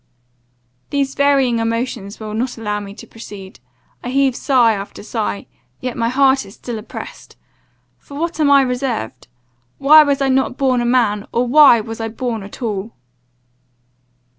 "These varying emotions will not allow me to proceed. I heave sigh after sigh; yet my heart is still oppressed. For what am I reserved? Why was I not born a man, or why was I born at all?"